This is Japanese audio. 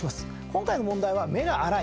今回の問題は「目のアラい」